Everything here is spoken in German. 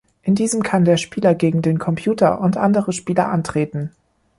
In diesem kann der Spieler gegen den Computer und andere Spieler antreten.